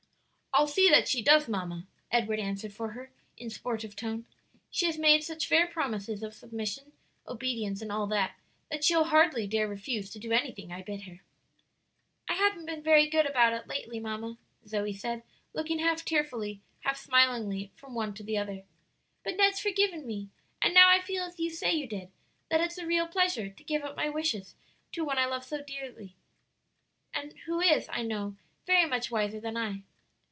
"I'll see that she does, mamma," Edward answered for her, in sportive tone; "she has made such fair promises of submission, obedience, and all that, that she'll hardly dare refuse to do anything I bid her." "I haven't been very good about it lately, mamma," Zoe said, looking half tearfully, half smilingly from one to the other, "but Ned's forgiven me, and now I feel as you say you did that it's a real pleasure to give up my wishes to one I love so very dearly, and who is, I know, very much wiser than I."